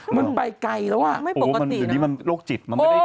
มันไปไกลแล้วอ่ะไม่ปกตินะโอ้ยมันอยู่นี้มันโรคจิต